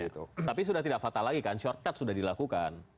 tapi sudah tidak fatal lagi kan shorthat sudah dilakukan